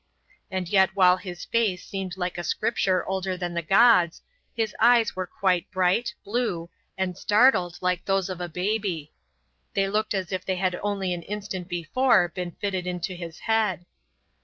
And yet while his face seemed like a scripture older than the gods, his eyes were quite bright, blue, and startled like those of a baby. They looked as if they had only an instant before been fitted into his head.